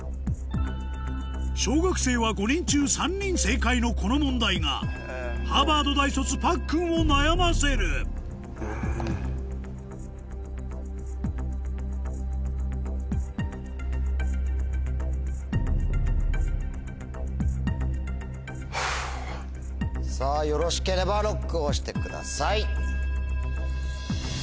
小学生はのこの問題がハーバード大卒パックンを悩ませるさぁよろしければＬＯＣＫを押してください！